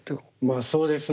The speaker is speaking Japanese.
まあそうですね。